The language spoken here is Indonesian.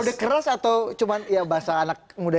udah keras atau cuma ya bahasa anak muda